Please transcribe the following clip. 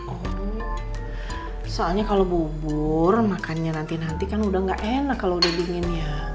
oh soalnya kalau bubur makannya nanti nanti kan udah gak enak kalau udah dingin ya